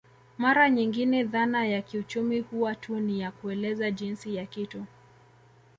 Mara nyingine dhana ya kiuchumi huwa tu ni ya kueleza jinsi ya kitu